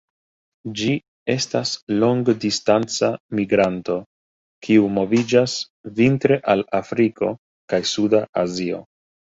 Ĝi estas longdistanca migranto kiu moviĝas vintre al Afriko kaj suda Azio.